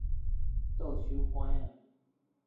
倒手仔 𨂿